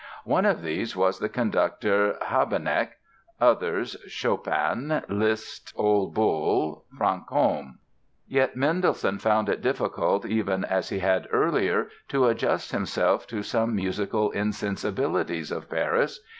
One of these was the conductor, Habeneck; others, Chopin, Liszt, Ole Bull, Franchomme. Yet Mendelssohn found it difficult, even as he had earlier, to adjust himself to some musical insensibilities of Paris.